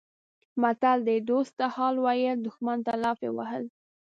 متل دی: دوست ته حال ویل دښمن ته لافې وهل